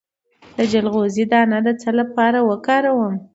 د چلغوزي دانه د څه لپاره وکاروم؟